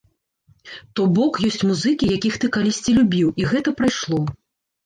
То бок, ёсць музыкі, якіх ты калісьці любіў, і гэта прайшло.